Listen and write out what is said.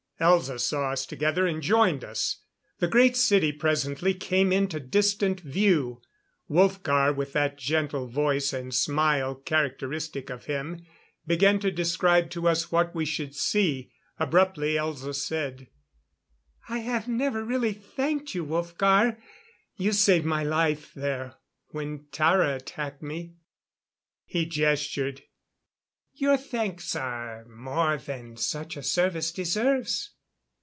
Elza saw us together and joined us. The Great City presently came into distant view. Wolfgar, with that gentle voice and smile characteristic of him began to describe to us what we should see. Abruptly Elza said: "I have never really thanked you, Wolfgar. You saved my life there when Tara attacked me." He gestured. "Your thanks are more than such a service deserves."